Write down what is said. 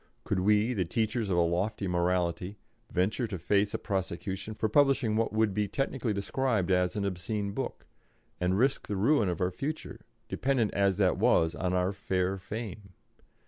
Could we, the teachers of a lofty morality, venture to face a prosecution for publishing what would be technically described as an obscene book, and risk the ruin of our future, dependent as that was on our fair fame?